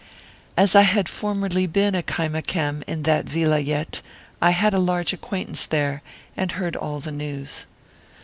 As I had formerly been a Kaimakam in that Vilayet, I had a large acquaintance there and heard^all the news.